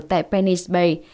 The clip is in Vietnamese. tại penny s bay